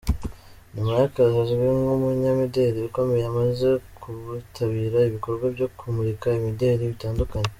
Nyuma y’akazi azwi nk’umunyamideli ukomeye, amaze kwitabira ibikorwa byo kumurika imideli bitandukanye.